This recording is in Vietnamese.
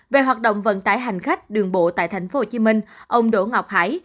về hoạt động vận tải hành khách đường bộ tại tp hcm ông đỗ ngọc hải